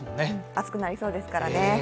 暑くなりそうですからね。